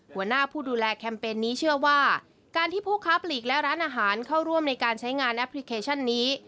หัวหน้าผู้ดูแลแคมเปญนี้เชื่อว่าการที่ผู้ค้าปลีกและร้านอาหารเข้าร่วมในการใช้งานแอปพลิเคชันนี้